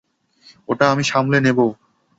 ওটা আমি সামলে নিবো।